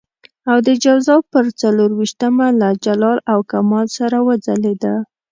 او د جوزا پر څلور وېشتمه له جلال او کمال سره وځلېده.